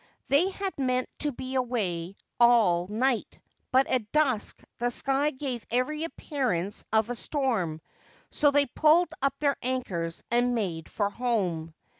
They had meant to be away all night ; but at dusk the sky gave every appearance of a storm : so they pulled up their anchors and made for home.